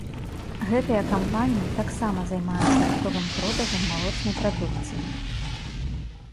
Гэтыя кампаніі таксама займаюцца аптовым продажам малочнай прадукцыі.